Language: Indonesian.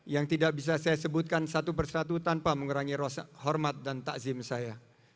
yang tidak bisa saya sebutkan satu persatu tanpa mengurangi hormat dan takzim saya